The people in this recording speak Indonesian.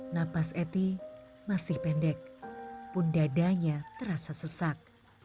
napas eti masih pendek pun dadanya terasa sesak